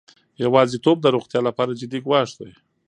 یوازیتوب د روغتیا لپاره جدي ګواښ دی.